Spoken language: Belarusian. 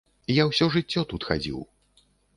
Я ўсё жыццё тут хадзіў.